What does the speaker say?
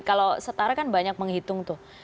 kalau setara kan banyak menghitung tuh